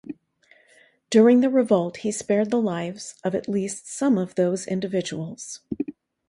During the revolt, he spared the lives of at least some of those individuals.